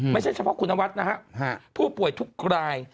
ไม่ใช่เฉพาะคุณนวัดนะฮะผู้ป่วยทุกราย